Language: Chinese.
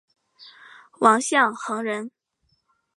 王象恒人。